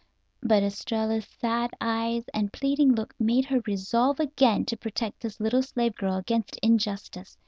But Estralla's sad eyes and pleading look made her resolve again to protect this little slave girl against injustice.